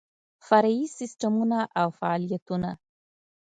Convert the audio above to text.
فرعي سیسټمونه او فعالیتونه